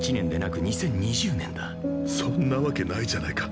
そんなわけないじゃないか。